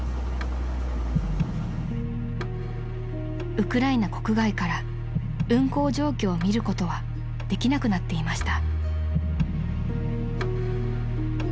［ウクライナ国外から運行状況を見ることはできなくなっていました］